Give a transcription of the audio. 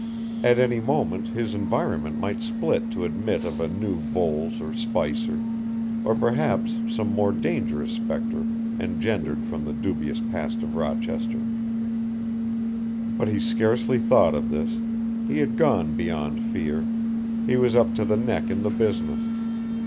At any moment his environment might split to admit of a new Voles or Spicer, or perhaps some more dangerous spectre engendered from the dubious past of Rochester; but he scarcely thought of this, he had gone beyond fear, he was up to the neck in the business.